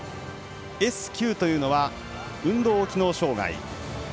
Ｓ９というのは運動機能障がい。